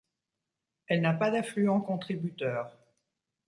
Elle n'a pas d'affluent contributeur.